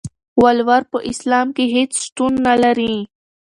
ولور په اسلام کې هيڅ شتون نلري.